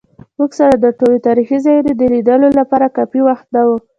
موږ سره د ټولو تاریخي ځایونو د لیدو لپاره کافي وخت نه و.